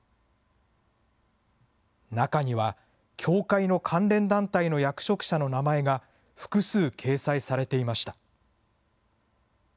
中には教会の関連団体の役職者の名前が、複数掲載されていました。